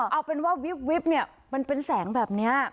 เอาเป็นว่าวิบเนี่ยมันเป็นแสงแบบนี้